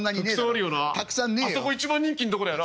あそこ一番人気のとこだよな。